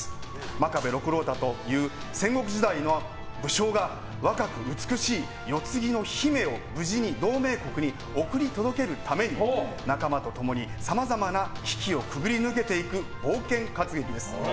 真壁六郎太という戦国時代の武将が若く美しい世継ぎの姫を無事に同盟国へ送り届けるために仲間と共にさまざまな危機を潜り抜けていく冒険活劇です。